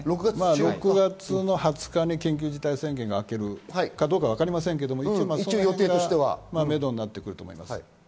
６月の２０日に緊急事態宣言が明けるかどうかわかりませんが、めどになってくると思います。